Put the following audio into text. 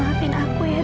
maafin aku ya dokter